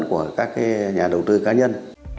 của các nhà đầu tư cá nhân